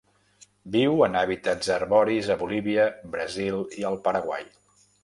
Viu en hàbitats arboris a Bolívia, Brasil i el Paraguai.